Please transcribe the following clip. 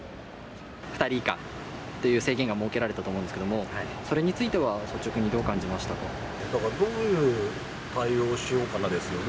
２人以下っていう制限が設けられたと思うんですけど、それにどういう対応をしようかなですよね。